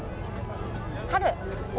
春！